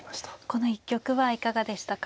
この一局はいかがでしたか。